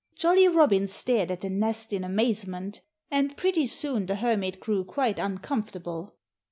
Jolly Robin stared at the nest in amazement. And pretty soon the Hermit grew quite uncomfortable.